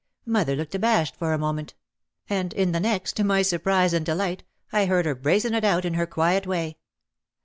Mother looked abashed for a moment; in the next, to my surprise and delight, I heard her brazen it out in her quiet way.